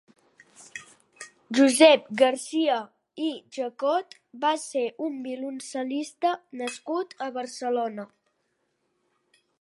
Josep Garcia i Jacot va ser un violoncel·lista nascut a Barcelona.